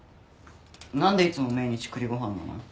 何でいつも命日栗ご飯なの？